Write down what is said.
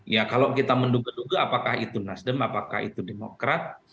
ya kalau kita menduga duga apakah itu nasdem apakah itu demokrat